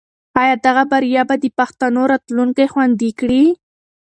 آیا دغه بریا به د پښتنو راتلونکی خوندي کړي؟